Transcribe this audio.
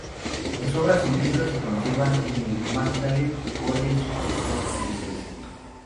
Sus obras y libros se conservan en el Magdalen College, Oxford University.